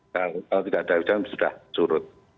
kalau tidak ada hujan sudah surut